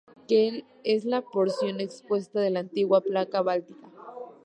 Que es la porción expuesta de la antigua placa Báltica.